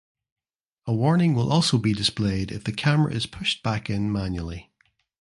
A warning will also be displayed if the camera is pushed back in manually.